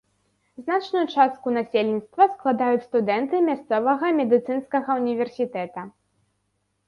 Значную частку насельніцтва складаюць студэнты мясцовага медыцынскага ўніверсітэта.